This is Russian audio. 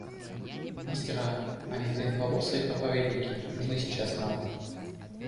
Мастера, а не длинноволосые проповедники нужны сейчас нам.